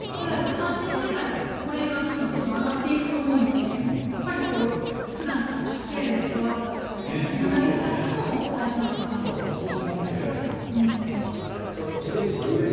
単身世帯とか高齢世帯はどんどん上がっていくと思うので普段から助け合えるネットワークやつながりも大事かなと思います。